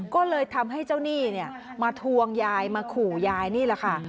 ก็เลยทำให้เจ้าหนี้มาทวงยายมาขู่ยายนี่แหละค่ะ